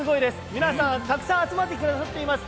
皆さん、たくさん集まってきてくださっています。